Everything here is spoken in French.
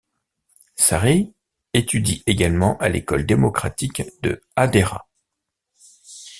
Sarit étudie également à l'École démocratique de Hadera.